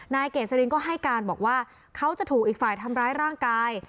เกษรินก็ให้การบอกว่าเขาจะถูกอีกฝ่ายทำร้ายร่างกาย